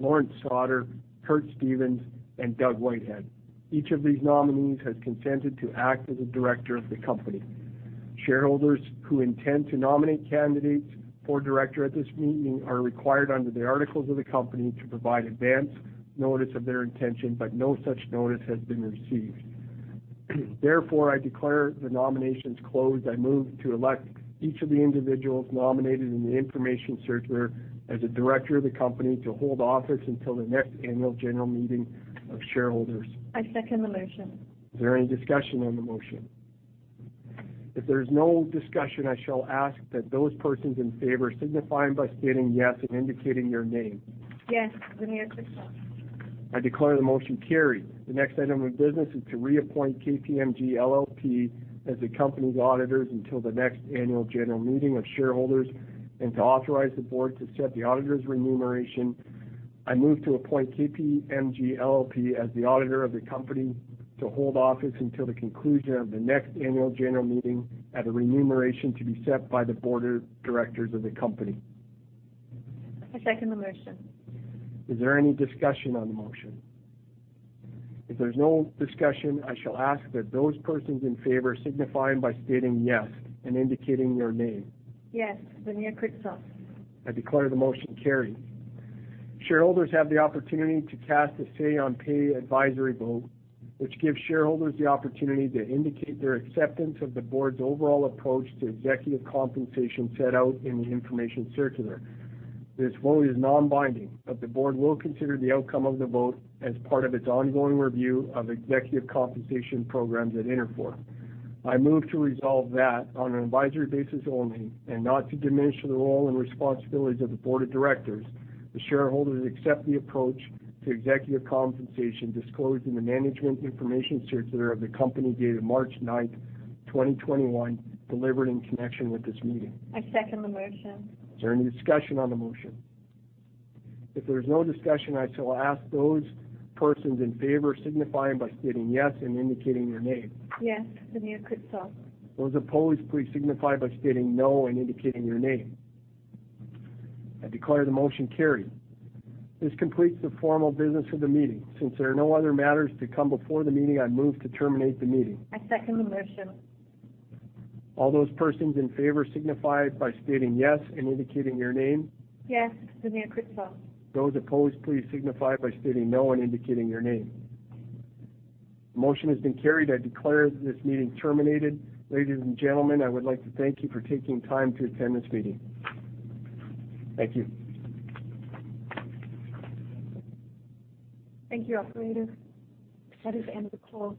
Lawrence Sauder, Curtis M. Stevens, and Douglas W.G. Whitehead. Each of these nominees has consented to act as a director of the company. Shareholders who intend to nominate candidates for director at this meeting are required under the articles of the company to provide advance notice of their intention, No such notice has been received. Therefore, I declare the nominations closed. I move to elect each of the individuals nominated in Information Circular as a director of the company to hold office until the next Annual General Meeting of shareholders. I second the motion. Is there any discussion on the motion? If there is no discussion, I shall ask that those persons in favor signify by stating yes and indicating your name. Yes, Xenia Kritsos. I declare the motion carried. The next item of business is to reappoint KPMG LLP as the company's auditors until the next Annual General Meeting of shareholders, and to authorize the Board to set the auditors' remuneration. I move to appoint KPMG LLP as the auditor of the company to hold office until the conclusion of the next Annual General Meeting at a remuneration to be set by the Board of Directors of the company. I second the motion. Is there any discussion on the motion? If there's no discussion, I shall ask that those persons in favor signify by stating yes and indicating their name. Yes, Xenia Kritsos. I declare the motion carried. Shareholders have the opportunity to cast a say-on-pay advisory vote, which gives shareholders the opportunity to indicate their acceptance of the Board's overall approach to executive compensation set out in Information Circular. This vote is non-binding, but the Board will consider the outcome of the vote as part of its ongoing review of executive compensation programs at Interfor. I move to resolve that on an advisory basis only, and not to diminish the role and responsibilities of the Board of Directors, the shareholders accept the approach to executive compensation disclosed in the Management Information Circular of the company dated March 9, 2021, delivered in connection with this meeting. I second the motion. Is there any discussion on the motion? If there is no discussion, I shall ask those persons in favor signify by stating yes and indicating their name. Yes, Xenia Kritsos. Those opposed, please signify by stating no and indicating your name. I declare the motion carried. This completes the formal business of the meeting. Since there are no other matters to come before the meeting, I move to terminate the meeting. I second the motion. All those persons in favor signify by stating yes and indicating your name. Yes, Xenia Kritsos. Those opposed, please signify by stating no and indicating your name. The motion has been carried. I declare this meeting terminated. Ladies and gentlemen, I would like to thank you for taking time to attend this meeting. Thank you. Thank you, operator. That is the end of the call.